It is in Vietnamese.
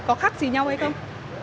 có khác gì nhau hay không